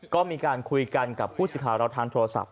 ก็มีการคุยกันกับผู้เสียหายเราทางโทรศัพท์